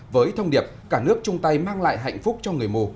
với thông điệp cả nước chung tay mang lại hạnh phúc cho người mù